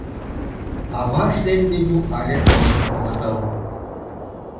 Аваж ден Веню але толын огытыл.